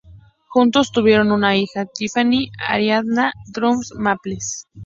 Juntos tuvieron una hija, Tiffany Ariana Trump Maples.